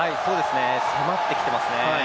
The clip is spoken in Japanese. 迫ってきてますね。